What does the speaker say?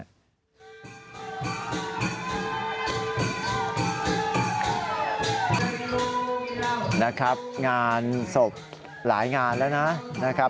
นะครับงานศพหลายงานแล้วนะครับ